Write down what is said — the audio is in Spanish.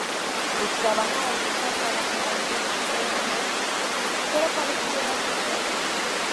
Buscaban a alguien que "hablara como "James Earl Jones", pero pareciera "The Rock"".